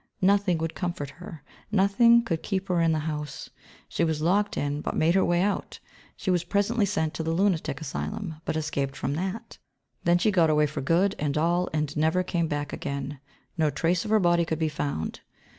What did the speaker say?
Nothing would comfort her, nothing could keep her in the house. She was locked in, but made her way out; she was presently sent to the lunatic asylum, but escaped from that. Then she got away for good and all and never came back again. No trace of her body could be found.